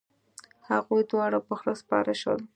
هغوی دواړه په خره سپاره شول.